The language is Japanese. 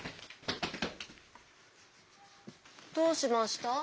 どうしました？